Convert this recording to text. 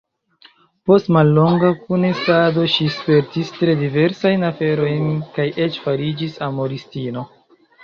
Post mallonga kunestado ŝi spertis tre diversajn aferojn kaj eĉ fariĝis amoristino.